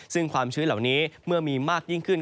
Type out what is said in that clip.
ซึ่งความชื้นเหล่านี้เมื่อมีมากยิ่งขึ้น